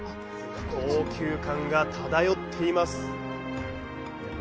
高級感が漂っています。